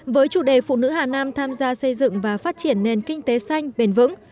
với chủ đề phụ nữ hà nam tham gia xây dựng và phát triển nền kinh tế xanh bền vững